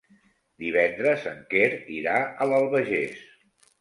Divendres en Quer irà a l'Albagés.